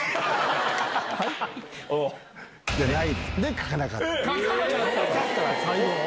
書かなかったの！